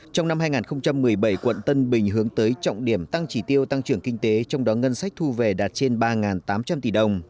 trong năm hai nghìn một mươi bảy quận tân bình hướng tới trọng điểm tăng trí tiêu tăng trưởng kinh tế trong đó ngân sách thu về đạt trên ba tám trăm linh tỷ đồng